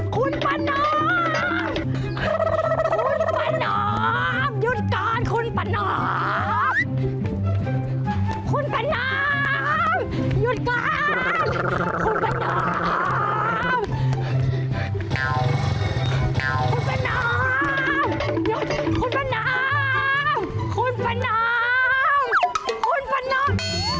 คุณประนอมคุณประนอมคุณประนอมคุณประนอมคุณประนอม